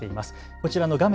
こちらの画面